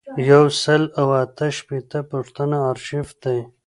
یو سل او اته شپیتمه پوښتنه آرشیف دی.